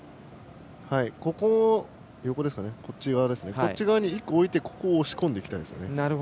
こっち側に１個置いて押し込んでいきたいですね。